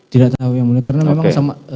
tidak tahu yang mulia karena memang sama